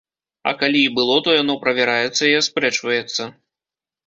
А калі і было, то яно правяраецца і аспрэчваецца.